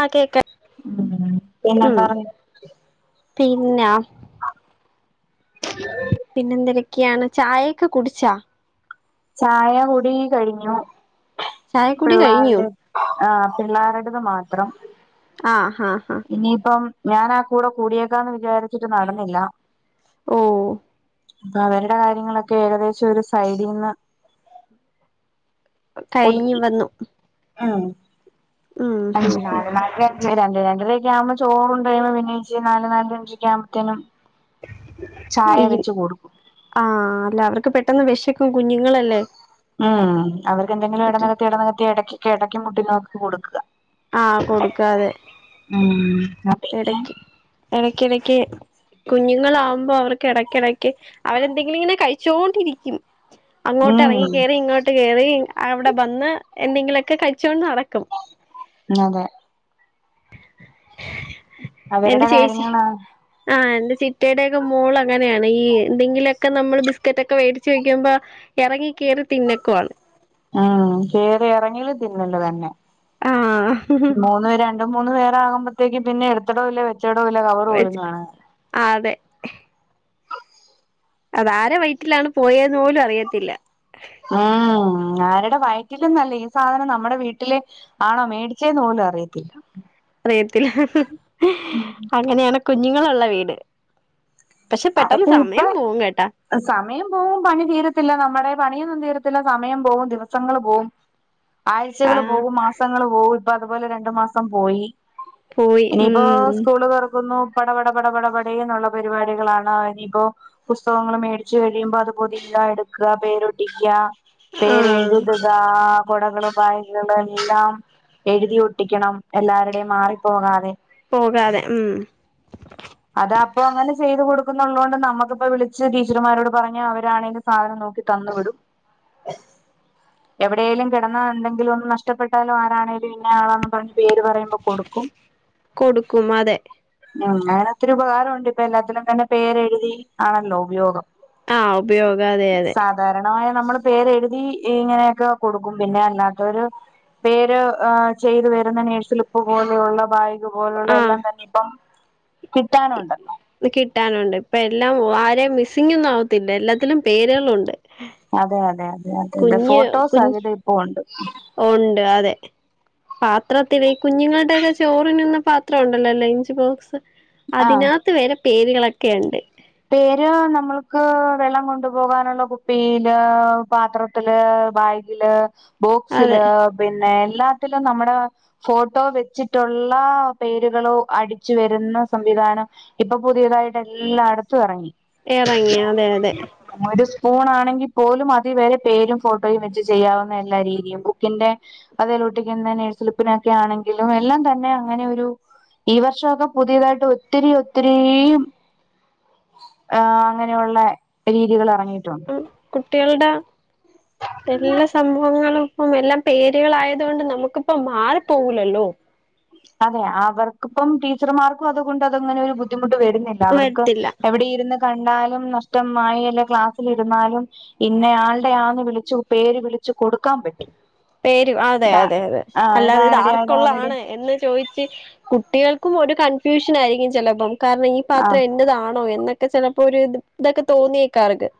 ആഹ് കേൾക്ക ഉം പിന്നെ ഉം പറഞ്ഞോ പിന്നാ പിന്നെന്തെരേക്ക്യാണ് ചായയൊക്കെ കുടിച്ചാ ചായ കൂടി കഴിഞ്ഞു ചായക്കുടി കഴിഞ്ഞു പിള്ളേര്ടെ ആഹ് പിള്ളേരുടത് മാത്രം ആഹ് ഹാ ആഹ് ഇനിയിപ്പം ഞാൻ ആ കൂടെ കൂടിയേക്കാന്ന് വിചാരിച്ചിട്ട് നടന്നില്ല ഓഹ് അവരുടെ കാര്യങ്ങളൊക്കെ ഏകദേശം ഒരു സൈഡിന്ന് കഴിഞ്ഞ് ഒതുക്കി വന്നു ഉം ഉം ഹും അഞ്ച് ഹും നാല് നാലര രണ്ട് രണ്ടരയൊക്കെ ആവുമ്പോ ചോറുണ്ട് കഴിയുമ്പോ പിന്നേച്ചിരി നാല് നാലരഞ്ചോക്കെ ആവുമ്പത്തിനും ചായ വീ വെച്ച് കൊടുക്കും ആഹ് അല്ല അവർക്ക് പെട്ടെന്ന് വെശക്കും കുഞ്ഞുങ്ങളല്ലേ ആഹ് അവർക്ക്ന്തെങ്കിലും പെട്ട എടനിലയ്ക്ക് എടനിലയ്ക്ക് എടക്കൊക്കെ എടയ്ക്കിം ഫുഡ്ണ്ടാക്കി കൊടുക്ക ആഹ് കൊട്ക്കാതെ ഉം ആഹ് എടയ്ക്ക് എടയ്ക്കിടക്ക് കുഞ്ഞ്ങ്ങളാവുമ്പോൾ അവർക്ക് എടക്കെടക്ക് അവരെന്തെങ്കിലും ഇങ്ങനെ കഴിച്ചോണ്ടിരിക്കും അങ്ങോട്ട് ഉം എറങ്ങി കേറി ഇങ്ങോട്ട് കേറി അബ്ടെ ബന്ന് എന്തെങ്കിലൊക്കെ കഴിച്ചോണ്ട് നടക്കും അതെ എന്റെ അവരുടെ ചേച്ചി കാര്യങ്ങളാണ് ആഹ് എന്റെ ചിറ്റയുടെയൊക്കെ മോൾ അങ്ങനെയാണ് ഈ എന്തെങ്കിലും ഒക്കെ നമ്മള് ബിസ്ക്കറ്റ ഒക്കെ മേടിച്ച് വെക്കുമ്പോ എറങ്ങി കേറി തിന്നക്കുവാണ് ആ കേറി ഇറങ്ങൽ തിന്നല് തന്നെ ആഹ് മൂന്നു പേരും രണ്ട് മൂന്ന് പേരാ ആകുമ്പത്തേക്ക് പിന്നെ എടുത്തോടോല്ല വെച്ചടോല്ല കവറ് പോലും കാണ്‌കേല ആ അതെ അത് ആരെ വയറ്റിലാണ് പോയെന്ന് പോലും അറിയത്തില്ല ഉം ആരുടെ വയറ്റിലന്നല്ല ഈ സാധനം നമ്മുടെ വീട്ടിലെ ആണോ മേടിച്ചേന്ന് പോലും അറിയത്തില്ല അറിയത്തില്ല ഉം അങ്ങനെയാണ് കുഞ്ഞുങ്ങളുള്ള വീട് പക്ഷെ പെട്ടന്ന് അതൊക്കെ ഇപ്പ സമയം പോകും കേട്ടാ സമയം പോവും പണി തീരത്തില്ല നമ്മുടെ പണിയൊന്നും തീരത്തില്ല സമയം പോവും ദിവസങ്ങൾ പോവും ആഴ്ചകള് ആഹ് പോവും മാസങ്ങള് പോവും ഇപ്പ അതുപോലെ രണ്ടു മാസം പോയി പോയി ഇനിയിപ്പോ ഉം സ്കൂള് തൊറക്കുന്നു പട പട പട പട പടേന്നുള്ള പരിപാടികളാണ് ഇനിയിപ്പോ പുസ്തകങ്ങൾ മേടിച്ച് കഴിയുമ്പോ അത് പോതിയുക എടുക്കുക പേരൊട്ടിക്കുക പേര് ആഹ് എഴുതുക കുടകൾ ബാഗ്കൾ എല്ലാം എഴുതി ഒട്ടിക്കണം എല്ലാരുടേം മാറിപ്പോകാതെ പോകാതെ ഉം അത് അപ്പൊ അങ്ങനെ ചെയ്തു കൊടുക്കും ള്ളതോണ്ട് നമക്കിപ്പോ വിളിച്ച് ടീച്ചർമാരോട് പറഞ്ഞ അവരാണെങ്കിൽ സാധനം നോക്കി തന്നു വിടും [unintelligible] എവിടെലും കിടന്നാ എന്തെങ്കിലും ഒന്ന് നഷ്ടപ്പെട്ടാലും ആരാണെലും ഇന്നെ ആളാണന്ന് പറഞ്ഞ് പേര് പറയുമ്പോൾ കൊടുക്കും [unintelligible] കൊടുക്കും അതെ ഉം അങ്ങനെ ഒത്തിരി ഉപകാരംണ്ട് ഇപ്പൊ എല്ലാത്തിലും തന്നെ പേരെഴുതി ആണല്ലോ ഉപയോഗം ആഹ് ഉപയോഗം അതെ അതെ സാധാരണമായി നമ്മള് പേരെഴുതി ഇങ്ങനെയൊക്കെ കൊടുക്കും പിന്നെ അല്ലാത്തവര് പേര് ചെയ്തു വരുന്ന നഴ്സിലിപ്പ് പോലെയുള്ള ബാ ഇതുപോലുള്ള ആഹ് എല്ലാം തന്നെ ഇപ്പം കിട്ടാനുണ്ടല്ലോ കിട്ടാനുണ്ട് ഇപ്പ എല്ലാം ആരേം മിസ്സിംഗ് ഒന്നും ആവത്തില്ല എല്ലാത്തിലും പേരുകളുണ്ട് അതെ അതെ അതെ അതെ അതെ കുഞ്ഞ് ഫോട്ടോ കുഞ്ഞ് സഹിതം ഇപ്പൊ ഉണ്ട് ഉണ്ട് അതെ പാത്രത്തില് വെയ് കുഞ്ഞുങ്ങളുടെക്കെ ചോറ് തിന്നുന്ന പാത്രം ഉണ്ടല്ലോ ലഞ്ച് ബോക്സ് ആഹ് അതിനാത്ത് വെരെ പേരുകളൊക്കെ ഉണ്ട് പേര് നമ്മൾക്ക് വെള്ളം കൊണ്ടുപോകാനുള്ള കുപ്പിയീല് പാത്ര ല് ബാഗില് അതെ ബോക്സില് പിന്നെ എല്ലാത്തിലും നമ്മുടെ ഫോട്ടോ വെച്ചിട്ടുള്ള പേരുകളോ അടിച്ചു വരുന്ന സംവിധാനം ഇപ്പൊ പുതിയതായിട്ട് എല്ലാടത്തും ഇറങ്ങി എറങ്ങി അതെ അതെ ഒരു സ്പൂൺ ആണെങ്കിൽ പോലും അതി വരെ പേരും ഫോട്ടോയും വെച്ച് ചെയ്യാവുന്ന എല്ലാ രീതിയും ബുക്കിന്റെ അതേലൊട്ടിക്കുന്ന നെഴ്സിലിപ്പിനൊക്കെ ആണെങ്കിലും എല്ലാം തന്നെ അങ്ങനെ ഒരു ഈ വർഷം ഒക്കെ പുതിയതായിട്ട് ഒത്തിരി ഒത്തിരി ആഹ് അങ്ങനെ ഒള്ള രീതികൾ ഇറങ്ങിയിട്ടുണ്ട് കുട്ട്യാളുടെ എല്ലാ സംഭവങ്ങളും ഇപ്പം എല്ലാം പേരുകളായത് കൊണ്ട് നമുക്കിപ്പം മാറിപ്പോകൂലല്ലോ അതെ അവർക്കിപ്പം ടീച്ചർമാർക്കും അതുകൊണ്ട് അതങ്ങനെ ഒരു ബുദ്ധിമുട്ട് വരുന്നില്ല അവർക്ക് വരത്തില്ല എവിടെ ഇരുന്ന് കണ്ടാലും നഷ്ടമായി അല്ലെ ക്ലാസ്സിലിരുന്നാലും ഇന്നെ ആളുടെ ആന്ന് വിളിചു പേര് വിളിചു കൊടുക്കാൻ പറ്റും പേര് അതെ ഇതാ അതെ അതെ ആഹ് അല്ലാതെ ഇത് ഇതാരുടെയാ ഇതാരുടെയാ ആർക്കുള്ളതാണ് എന്ന് ചോദിച്ച് കുട്ടികൾക്കും ഒരു കൺഫ്യൂഷൻ ആയിരിക്കും ചെലപ്പം കാരണം ഈ ആഹ് പാത്രം എന്റതാണോ എന്നൊക്കെ ചെലപ്പോ ഒര് ഇതൊക്കെ തോന്നിയേക്കാ അർക്ക്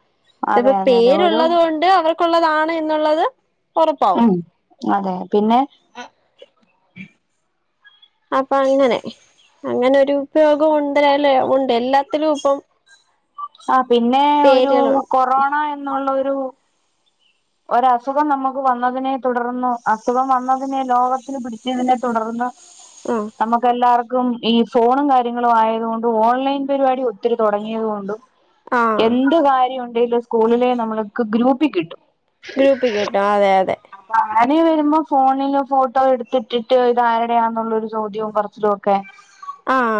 അതെ ഇപ്പൊ അതെ അതെ ഒരു പേരുള്ളത് കൊണ്ട് അവർ ള്ളതാണ് എന്നുള്ളത് ഒറപ്പാവും ഉം അതെ പിന്നെ അപ്പൊ അങ്ങനെ അങ്ങനൊരു ഉപയോഗം ഉണ്ടേലേ ഉണ്ട് എല്ലാത്തിലും ഇപ്പം ആഹ് പിന്നെ ഒരു പേരുകളുണ്ട് കൊറോണ എന്നുള്ള ഒരു ഒരസുഖം നമുക്ക് വന്നതിനെ തുടർന്ന് അസുഖം വന്നതിനെ ലോകത്തില് പിടിച്ചതിനെ തുടർന്ന് ആഹ് നമുക്കെല്ലാർക്കും ഈ ഫോണും കാര്യങ്ങളും ആയത് കൊണ്ടും ഓൺലൈൻ പരിപാടി ഒത്തിരി തുടങ്ങിയത് കൊണ്ടും ആഹ് എന്ത് കാര്യം ഉണ്ടേലും സ്കൂളിലെ നമ്മൾക്ക് ഗ്രൂപ്പി കിട്ടും ഗ്രൂപ്പി കിട്ടും. അതെ അതെ അപ്പൊ അങ്ങനെ വരുമ്പോ ഫോണില് ഫോട്ടോ എടുത്തിട്ടിട്ട് ഇത് ആരുടെയാന്നുള്ളൊരു ചോദ്യവും പറച്ചിലും ഒക്കെ ആഹ്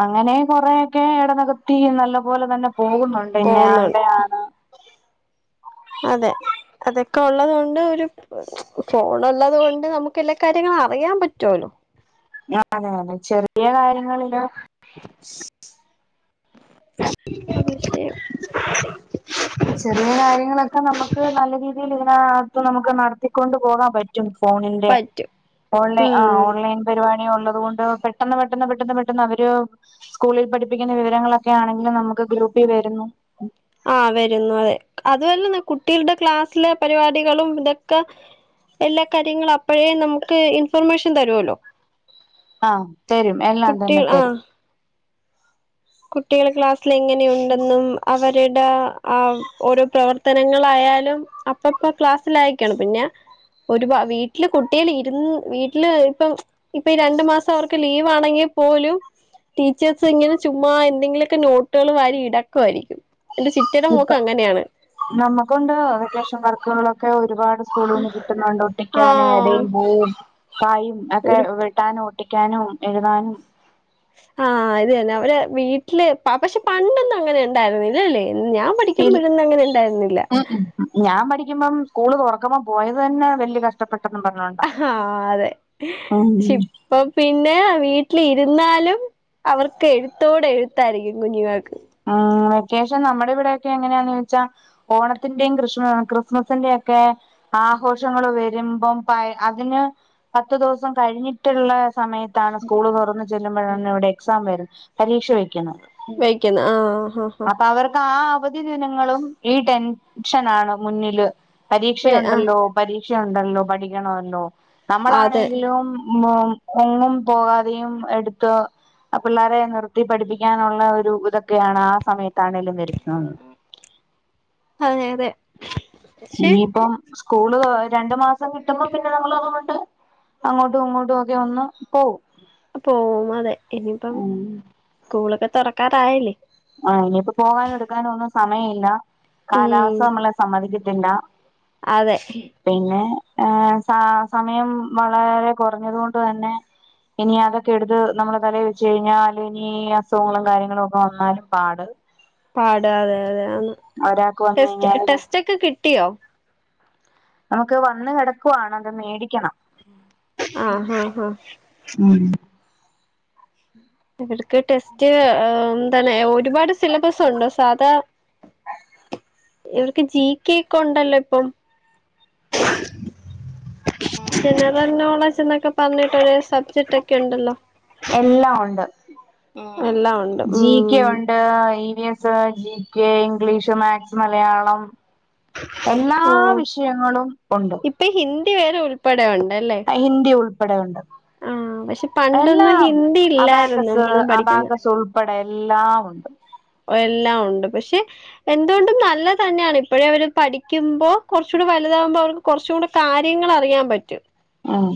അങ്ങനെ കൊറേയൊക്കെ എടനകത്തി നല്ല പോലെ തന്നെ പോകുന്നുണ്ട് ഇന്നെ പോവുന്നുണ്ട് ആൾടേ ആഹ് അതെ അതൊക്കെ ഉള്ളത് കൊണ്ട് ഒരു ഫോണുള്ളത് കൊണ്ട് നമുക്ക് എല്ലാ കാര്യങ്ങളും അറിയാൻ പറ്റുമല്ലോ ആഹ് ആതെതെ ചെറിയ കാര്യങ്ങളില ആഹ് പക്ഷേ ചെറിയ കാര്യങ്ങളൊക്കെ നമുക്ക് നല്ല രീതിയില് ഇതിനകത്ത് നമുക്ക് നടത്തിക്കൊണ്ട് പോകാൻ പറ്റും റ്റും ഫോണിന്റെ പറ്റും ഓൺലൈ ആഹ് ഉം ഓൺലൈൻ പരിപാടിയുള്ളത് കൊണ്ട് പെട്ടെന്ന് പെട്ടന്ന് പെട്ടെന്ന് പെട്ടെന്ന് അവര് സ്കൂളിൽ പഠിപ്പിക്കുന്ന വിവരങ്ങളൊക്കെ ആണെങ്കിലും നമുക്ക് ഗ്രൂപ്പിൽ വരുന്നു ആഹ് വരുന്നു അതെ അതുപലെന്നെ കുട്ടികളുടെ ക്ലാസ്സിലെ പരിപാടികളും ഇതൊക്കെ എല്ലാ കാര്യങ്ങളും അപ്പോഴേ നമുക്ക് ഇൻഫർമേഷൻ തരുമല്ലോ ആഹ് തരും എല്ലാം തന്നെ കുട്ടികൾ ആ തരും കുട്ടികൾ ക്ലാസ്സിൽ എങ്ങനെയുണ്ടെന്നും അവരുടെ ആ ഓരോ പ്രവർത്തനങ്ങളായാലും അപ്പപ്പ ക്ലാസ്സിലായിക്കാണ് പിന്നെ ഒരുപാ വീട്ടില് കുട്ടികൾ ഇരുന്ന് വീട്ടില് ഇപ്പം ഇപ്പ ഈ രണ്ടു മാസം അവർക്ക് ലീവ് ആണെങ്കിൽ പോലും ടീച്ചേഴ്സ് ഇങ്ങനെ ചുമ്മാ എന്തെങ്കിലുമൊക്കെ നോട്ടുകൾ വാരി ഇടക്കായിരിക്കും എന്റെ ചിറ്റയുടെ മോക്ക് അങ്ങനെയാണ് നമ്മക്കുണ്ട് വക്കേഷൻ വർക്കുകളൊക്കെ ഒരുപാട് സ്കൂളിൽ നിന്ന് കിട്ടുന്നുണ്ട് ആ ഒട്ടിക്കാനും ഇടയും പൂവും കായും ഒക്കെ ഒരു വെ ട്ടാനും ഒട്ടിക്കാനും എഴുതാനും ആഹ് അതന്നെ അവരെ വീട്ടില് പക്ഷേ പണ്ടൊന്നും അങ്ങനെ ഉണ്ടായിരുന്നില്ലല്ലേ ഞാൻ പടി ഇൽ ഉം ഞാൻ പഠിക്കുമ്പം സ്കൂള് തൊറ ക്കുമ്പം പോയത് തന്നെ വല്ല്യ കഷ്ടപ്പെട്ടന്നും പറഞ്ഞോണ്ട ആ പ്പ പിന്നെ വീട്ടിലിരുന്നാലും അവർക്ക് എഴുത്തോടെ എഴുത്തായിരിക്കും കുഞ്ഞുങ്ങക്ക് ഉം വെക്കേഷൻ നമ്മുടെ ഇവിടെൊക്കെ എങ്ങനെയാന്ന് ചോദിച്ചാ ഓണത്തിന്റെയും ക്രിസ്മസിന്റെ ഒക്കെ ആഘോഷങ്ങൾ വരുമ്പം പ അതിന് പത്തു ദിവസം കഴിഞ്ഞിട്ട് ട്ട്ള്ള സമയത്താണ് സ്കൂള് തുറന്നു ചെല്ലുമ്പോഴന്ന ഇവിടെ എക്സാം വരും പരീക്ഷ വെക്കുന്നത് വെയ്ക്കുന്ന ആഹ് ഹാ അപ്പൊ അവർക്ക് ആ അവധി ദിനങ്ങളും ഈ ടെൻഷനാണ് മുന്നില് ആ പരീക്ഷയുണ്ടല്ലോ ആ പരീക്ഷയുണ്ടല്ലോ പഠിക്കണല്ലോ അതെ നമ്മളാണെങ്കിലും മും എങ്ങും പോകാതെയും എടുത്ത് ആപിള്ളാരെ നിർത്തി പഠിപ്പിക്കാനുള്ള ഒരു ക്കെയാണ് ആ സമയത്താണെലും നിരുത്തുന്നത് അതെ അതെ പക്ഷെ ഇനിയിപ്പം സ്കൂള് രണ്ടു മാസം കിട്ടുമ്പോ പിന്നെ നമ്മൾ ട്ട് അങ്ങോട്ടും ഇങ്ങോട്ടും ഒക്കെ ഒന്ന് പോവും പോവും അതെ ഇനിയിപ്പം ഉം സ്കൂളൊക്കെ തുറക്കാറായല്ലേ ആ ഇനിയി ഇപ്പോ പോകാനും എടുക്കാനോ ഒന്നും സമയമ ഇില്ല ഉം കാലാവസ്ഥ നമ്മളെ സമ്മതിക്കത്തില്ല അതെ പിന്നെ ഏ സ സമയം വളരെ കുറഞ്ഞത് കൊണ്ട് തന്നെ ഇനി അതൊക്കെ എടുത്ത് നമ്മള തല വെച്ച് കഴിഞ്ഞാല് ഇനി അസുഖങ്ങളും കാര്യങ്ങളും ഒക്കെ വന്നാലും പാട് പാട് അതെ അതെന്ന് ഒരാൾക്ക് വന്ന് ടെസ്റ്റ് കഴിഞ്ഞാല് ടെസ്റ്റ ഒക്കെ കിട്ടിയോ നമുക്ക് വന്ന് കിടക്കുവാണ് അത് മേടിക്കണം ആഹ ആഹ ആഹ ഉം ഇടക്ക് ടെസ്റ്റ് തനി ഒരുപാട് സിലബസ ഉണ്ടോ സാധാ ഇവർക്ക് ജി കെ ഒക്കെ ഉണ്ടല്ലോ ഇപ്പം ജനറൽ നോളജ് എന്നൊക്കെ പറഞ്ഞിട്ട് ഒരു സബ്ജക്ട് ഒക്കെ ഉണ്ടല്ലോ എല്ലാം ഉണ്ട് എല്ലാം ഉണ്ട് ജി കെ ഉം ഉണ്ട് E V S GK English maths Malayalam എല്ലാ ഓ വിഷയങ്ങളും ഉണ്ട് ഇപ്പൊ ഹിന്ദി വേറെ ഉൾപ്പെടെ ഉണ്ടല്ലേ ഹിന്ദി ഉൾപ്പെടെ ഉണ്ട് ആഹ് പക്ഷെ പണ്ടൊന്നും എല്ലാം ഹിന്ദി ഇല്ലായിരുന്നു അബാകസ് നമ്മളൊന്നും പഠിക്കുന്ന അബാകസ് ഉൾപ്പെടെ എല്ലാം ഉണ്ട് എല്ലാം ഉണ്ട് പക്ഷെ എന്തുകൊണ്ടും നല്ലത് തന്നെയാണ് ഇപ്പോഴേ അവര് പഠിക്കുമ്പോ കുറച്ച കൂടി വലുതാകുമ്പോ അവർക്ക് കുറച്ചും കൂടി കാര്യങ്ങൾ അറിയാൻ പറ്റും ഉം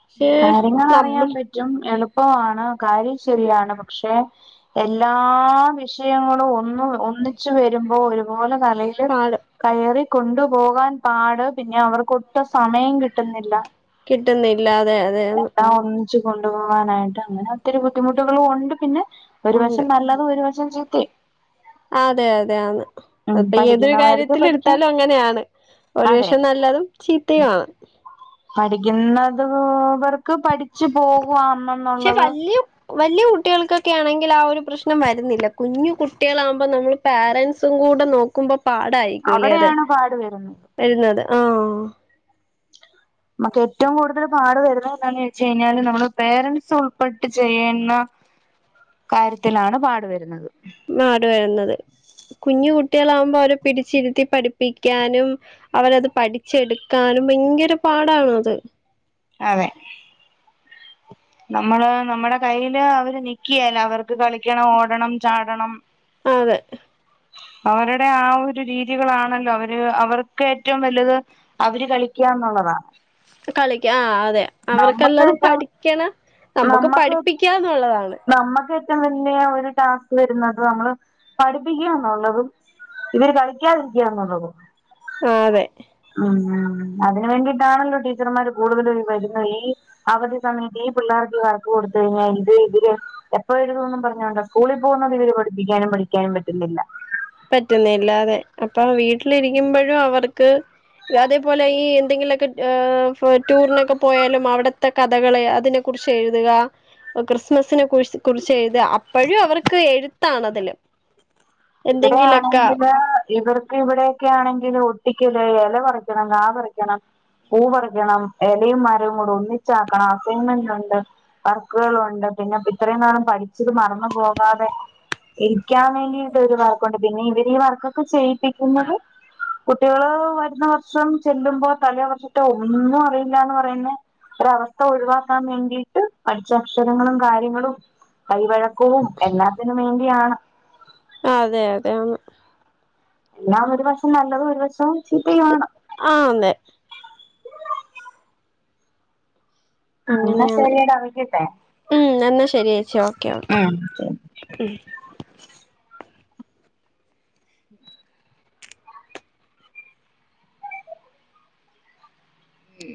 പക്ഷെ കാര്യങ്ങൾ അറിയാൻ നമ്മൾ പറ്റും എളുപ്പമാണ് കാര്യം ശരിയാണ് പക്ഷെ എല്ലാ വിഷയങ്ങളും ഒന്ന് ഒന്നിച്ചു വരുമ്പോ ഒരുപോലെ തലയില് പാട് കയറി കൊണ്ടു പോകാൻ പാട് പിന്നെ അവർക്കൊട്ടും സമയം കിട്ടുന്നില്ല കിട്ടുന്നില്ലാതെ എല്ലാം ഒന്നിച്ചച്ച് കൊണ്ടുപോകാനായിട്ട് അങ്ങനെ ഒത്തിരി ബുദ്ധിമുട്ടുകളും ഉണ്ട് പിന്നെ ഉണ്ട് ഒരുപശം നല്ല ഒരു വശം ചെയ്ട്ടേ അതെ അതെയാണ് ഉം അപ്പൊ ഏതൊരു പഠിക്കുന്നവർക്ക് കാര്യത്തി പഠിക്കാം എടുത്താലും അങ്ങനെയാണ് ഒരു അതെ വഷം നല്ലതും ചീത്തയുമാണ് പഠിക്കുന്നത് ഹോവൻർക്ക് പഠിച്ചു പക്ഷെ പോകുന്നെന്നുള്ളത് വല്യ വലിയ കുട്ടികൾക്കൊക്കെ ആണെങ്കിൽ ആ ഒരു പ്രശ്നം വരുന്നില്ല കുഞ്ഞു കുട്ടികള ആകുമ്പോൾ നമ്മൾ പോരൻസും കൂടെ നോ നക്കുമ്പോ പാടായിരിക്കുംല്ലേ അത് അവിടെയാണ് പാട് വരുന്നത് വരുന്നത് ആഹ നമുക്ക് ഏറ്റവും കൂടുതൽ പാട് വരുന്നത് എന്താന്ന് വെച്ച കഴിഞ്ഞാല് നമ്മള് പേരൻറ്സ് ഉൾപ്പെട്ട് ചെയ്യുന്ന കാര്യത്തിലാണ് പാടുവരുന്നത് മാടു വരുന്നത് കുഞ്ഞു കുട്ടികളാകുമ്പോ അവരെ പിടിച്ചിരുത്തി പഠിപ്പിക്കാനും അവരത് പഠിച്ചെടുക്കാനും ഭയങ്കര പാടണ അത് അതെ നമ്മള് നമ്മുടെ കൈയില് അവര് നിക്കുവേല അവർക്ക് കളിക്കണം ഓടണം ചാടണം അതെ അവരുടെ ആ ഒരു രീതികളാണല്ലോ അവര് അവർക്ക് ഏറ്റവും വലുത് അവര് കളിക്കാന്നുള്ളതാണ് കളിക്ക ആ അതെ അവർക്കല്ലത ഏറ്റവും പഠിക്കണം നമുക്ക് പഠിപ്പിക്കാന്നുള്ളതാണ് നമ്മുക്ക് ഏറ്റവും വലിയ ഒരു ടാസ്ക് വരുന്നത് നമ്മള് പഠിപ്പിക്കുക എന്നുള്ളതും ഇവര് കളിക്കാതിരിക്കാന്നുള്ളത് ആഹ് അതെ ഉം അതിന് വേണ്ടിയിട്ടാണല്ലോ ടീച്ചർമാർ കൂടുതലും വരുന്ന ഈ അവധി സമയത്ത് ഈ പിള്ളേർക്ക് വറക്ക് കൊടുത്ത് കഴിഞ്ഞാ ഇത് ഇത് [unintelligible] എപ്പോഴെഴുതോന്നും പറഞ്ഞോണ്ടാ സ്കൂളി പോവുന്നത് ഇതിന് പഠിപ്പിക്കാനും പഠിക്കാനും പറ്റുന്നില്ല പറ്റുന്നില്ലാ. അതെ അപ്പൊ വീട്ടിലിരിക്കുമ്പഴും അവർക്ക് അതേപോലെ ഈ എന്തെങ്കിലൊക്കെ ഏഹ് ടൂറിനൊക്കെ പോയാലും അവിടെ ത്തെ കഥകള് അതിനെ കുറിച്ച് എഴുതുക ക്രിസ്മസിനെ കുറി ച് കുറിച്ച് എഴുതാ. അപ്പഴും അവർക്ക് എഴുത്താണതില് ഇവിടെ എന്തെങ്കിലൊക്കെ ആണെങ്കില് ഇവർ ക്ക് ഇവിടെയൊക്കെ ആണെങ്കില് ഒട്ടിക്കല് ഇല പറിയ്ക്കണം കാ പറിക്കണം പൂ പറിക്കണം എലയും മരവും കൂടെ ഒന്നിച്ചാക്കണം അസൈൻമെന്റ് ഉണ്ട് വർക്കുകളുണ്ട് പിന്നെ ഇത്രയും നാളും പഠിച്ചത് മറന്നു പോവാതെ ഇരിക്കാൻ വേണ്ടിയിട്ടൊരു വർക്കുണ്ട് പിന്നെ ഇവര് ഈ വർക്കൊക്കെ ചെയ്യിപ്പിക്കുന്നത് കുട്ടികള് വരുന്ന വർഷം ചെല്ലുമ്പോ തലേ വർഷത്തെ ഒന്നും അറിയില്ലാന്ന് പറയുന്നെ ഒരവസ്ഥ ഒഴിവാക്കാൻ വേണ്ടിയിട്ട് പഠിച്ചക്ഷരങ്ങളും കാര്യങ്ങളും കൈവഴക്കവും എല്ലാത്തിനും വേണ്ടിയാണ്. അതെ അതെ ആന്ന് എല്ലാം ഒരു വശം നല്ലതും ഒരു വശവും ചീത്തയു ആണ്. ആഹ് അതെ എന്നാ അങ്ങനെയാണ് ശരിയെടാ വെക്കട്ടെ ഉം എന്നാ ശരിയേച്ചി ഓക്കെ ഓക്കെ ഉം ഉം